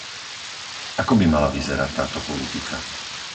Ako by mala vyzerať táto politika?